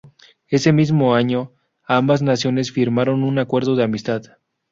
Ese mismo año, ambas naciones firmaron un "Acuerdo de Amistad".